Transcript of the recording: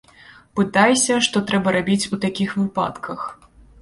Пытайся, што трэба рабіць у такіх выпадках.